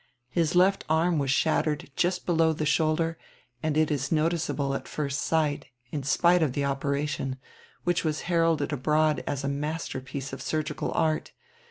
His left arm was shat tered just below the shoulder and it is noticeable at first sight, in spite of the operation, which was heralded abroad as a masterpiece of surgical art.